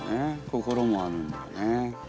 「心」もあるんだよね。